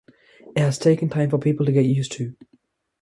It has taken time for people to get used to me.